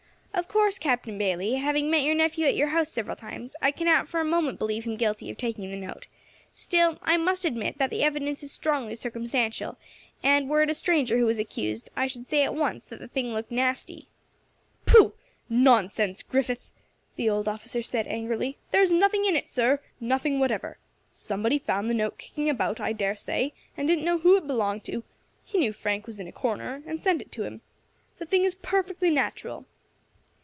"Of course, Captain Bayley, having met your nephew at your house several times, I cannot for a moment believe him guilty of taking the note; still, I must admit that the evidence is strongly circumstantial, and were it a stranger who was accused, I should say at once the thing looked nasty." "Pooh! nonsense, Griffith," the old officer said angrily; "there's nothing in it, sir nothing whatever. Somebody found the note kicking about, I dare say, and didn't know who it belonged to; he knew Frank was in a corner, and sent it to him. The thing is perfectly natural."